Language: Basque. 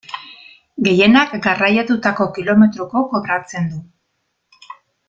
Gehienak garraiatutako kilometroko kobratzen du.